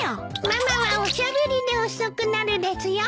ママはおしゃべりで遅くなるですよ。